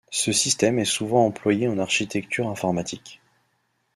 Ce système est souvent employé en architecture informatique.